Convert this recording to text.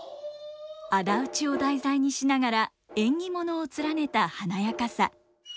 仇討ちを題材にしながら縁起物を連ねた華やかさ。